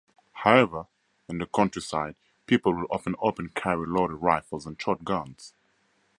However, in the countryside, people will often open carry loaded rifles and shotguns.